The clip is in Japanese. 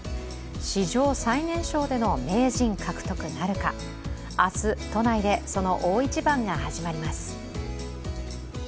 史上最年少での名人獲得なるか、明日、都内でその大一番が始まります。